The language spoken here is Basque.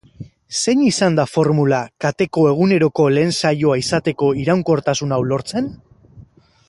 Zein izan da formula kateko eguneroko lehen saioa izateko iraunkortasun hau lortzen?